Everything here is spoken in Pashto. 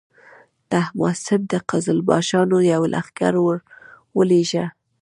تهماسب د قزلباشانو یو لښکر ورولېږه.